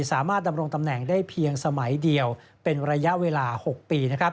สามารถดำรงตำแหน่งได้เพียงสมัยเดียวเป็นระยะเวลา๖ปี